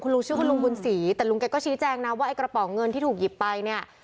ลุงชื่อคุณลุงบุญศรีแต่ลุงแกก็ชี้แจงนะว่าไอ้กระป๋องเงินที่ถูกหยิบไปเนี่ย